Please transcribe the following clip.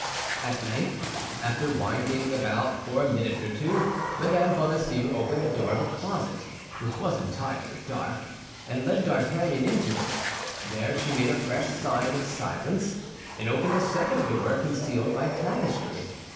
At length, after winding about for a minute or two, Mme. Bonacieux opened the door of a closet, which was entirely dark, and led D'Artagnan into it. There she made a fresh sign of silence, and opened a second door concealed by tapestry.